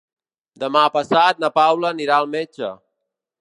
Demà passat na Paula anirà al metge.